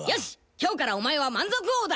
今日からお前は満足王だ！